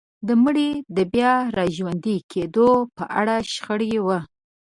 د مړي د بيا راژوندي کيدو په اړه شخړه وه.